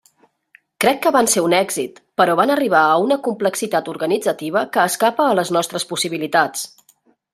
Crec que van ser un èxit, però van arribar a una complexitat organitzativa que escapa a les nostres possibilitats.